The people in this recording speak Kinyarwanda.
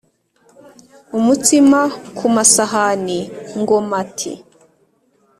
Umutsima ku masahani ngo mati